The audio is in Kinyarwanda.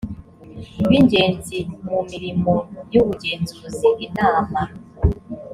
b ingenzi mu mirimo y ubugenzuzi inama